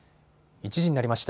１時になりました。